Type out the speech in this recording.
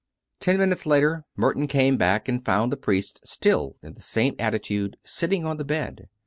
Ten minutes later Merton came back and found the priest still in the same attitude, sitting on the bed.